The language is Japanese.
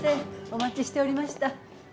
お待ちしておりました。